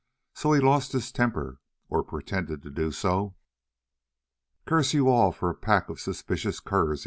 So he lost his temper, or pretended to do so. "Curse you all for a pack of suspicious curs!"